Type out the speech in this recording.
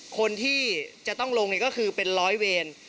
คนที่จะต้องลงก็คือเป็นร้อยเวร